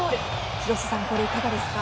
廣瀬さん、これ、いかがですか？